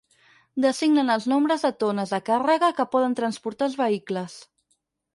Designen els nombres de tones de càrrega que poden transportar els vehicles.